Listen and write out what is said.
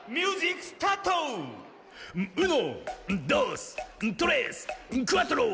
クアトロ！」